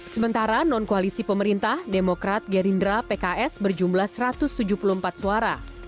sementara non koalisi pemerintah demokrat gerindra pks berjumlah satu ratus tujuh puluh empat suara